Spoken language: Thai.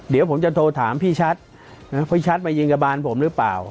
เดี๋ยวผมจะโทรถามพี่ชัดนะพี่ชัดมายิงกับบานผมหรือเปล่า